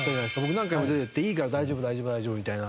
僕何回も出ていっていいから大丈夫大丈夫みたいな。